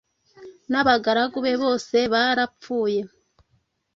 N’abagaragu be bose barapfuye.